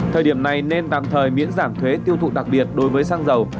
thời điểm này nên tạm thời miễn giảm thuế tiêu thụ đặc biệt đối với xăng dầu